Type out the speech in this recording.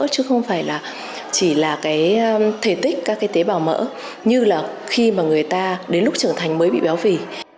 chứ không phải là chỉ là cái thể tích các cái tế bào mỡ như là khi mà người ta đến lúc trưởng thành mới bị béo phì